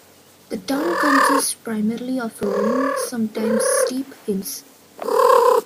The town consists primarily of rolling, sometimes steep, hills.